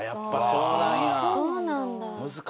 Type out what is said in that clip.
そうなんだ。